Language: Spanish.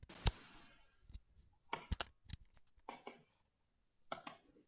Tiene el estatus de Monumento Natural.